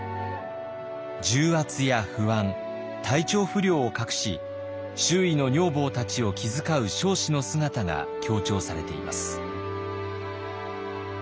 重圧や不安体調不良を隠し周囲の女房たちを気遣う彰子の姿が強調されています。